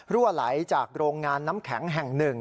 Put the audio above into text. รั่วหลายจากโรงงานน้ำแข็งแห่งหนึ่ง